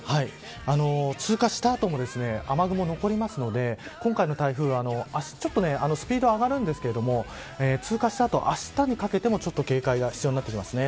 通過した後も雨雲、残りますので今回の台風はちょっとスピード上がるんですけど通過した後、あしたにかけても警戒が必要になってきます。